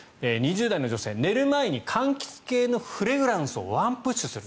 ２０代の女性、寝る前に柑橘系のフレグランスをワンプッシュする。